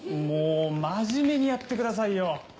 もう真面目にやってくださいよ。